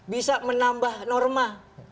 bisa menambah norma